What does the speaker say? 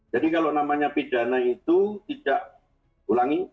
jadi kalau namanya pidana itu tidak ulangi